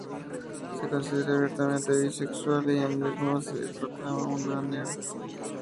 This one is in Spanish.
Se considera abiertamente bisexual y ella misma se proclama una nerd.